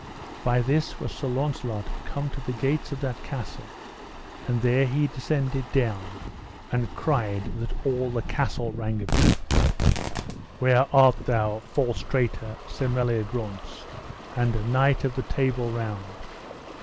By this was Sir Launcelot come to the gates of that castle, and there he descended down, and cried, that all the castle rang of it: Where art thou, false traitor, Sir Meliagrance, and knight of the Table Round?